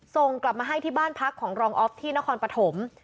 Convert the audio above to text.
ส่งกลับมาให้ที่บ้านพักของรองออฟที่นครปฐม